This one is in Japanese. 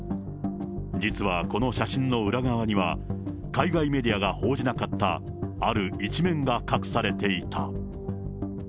実はこの写真の裏側には、海外メディアが報じなかった、ある一面が隠されていた。